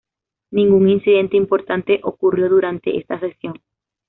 Ningún incidente importante ocurrió durante esta sesión.